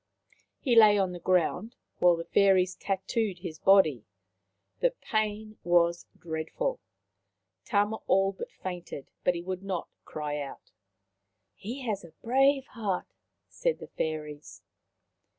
He lay on the ground, while the Fairies tattooed his body. The pain was dreadful. Tama all but fainted, but he would not cry out. " He has a brave heart," said the Fairies.